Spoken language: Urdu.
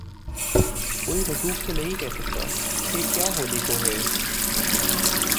کوئی وثوق سے نہیں کہہ سکتا کہ کیا ہونے کو ہے۔